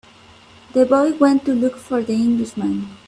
The boy went to look for the Englishman.